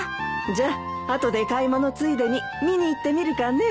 じゃあ後で買い物ついでに見に行ってみるかね。